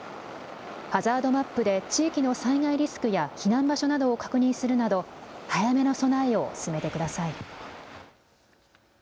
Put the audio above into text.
ハザードマップで地域の災害リスクや避難場所などを確認するなど早めの備えを進めてください。